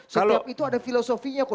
setiap itu ada filosofinya kok